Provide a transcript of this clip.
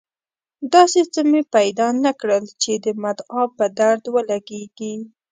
داسې څه مې پیدا نه کړل چې د مدعا په درد ولګېږي.